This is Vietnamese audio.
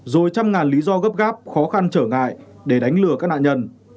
rồi trăm ngàn lý do gấp gáp khó khăn trở ngại để đánh lừa các nạn nhân